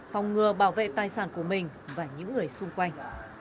phòng ngừa bảo vệ tài sản của mình và những người xung quanh